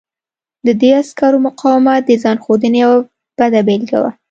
د دې عسکر مقاومت د ځان ښودنې یوه بده بېلګه وه